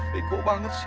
biko banget sih